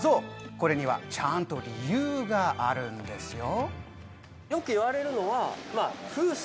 これにはちゃんと理由があるんですよ。